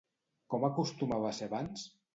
Com acostumava a ser abans?